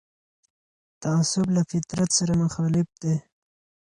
تعصب له فطرت سره مخالف دی